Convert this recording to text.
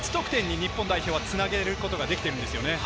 日本代表はつなげることができているんですね。